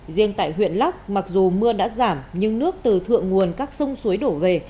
riêng tại huyện lắc mặc dù mưa đã giảm nhưng nước từ thượng nguồn các sông suối đổ về